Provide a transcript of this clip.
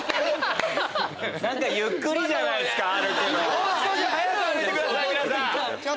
もう少し速く歩いてください！